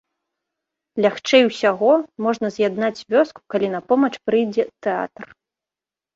Лягчэй усяго можна з'яднаць вёску, калі на помач прыйдзе тэатр.